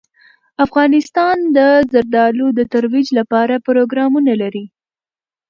افغانستان د زردالو د ترویج لپاره پروګرامونه لري.